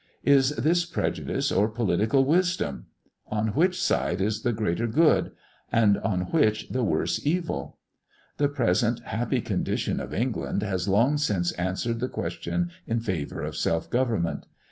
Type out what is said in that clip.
Is this prejudice or political wisdom? On which side is the greater good and on which the worse evil? The present happy condition of England has long since answered that question in favour of self government.